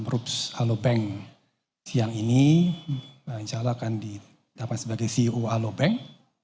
rups alobank siang ini insyaallah akan didapat sebagai ceo alobank